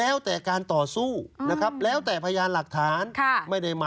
เอามาปะปนกันไม่ได้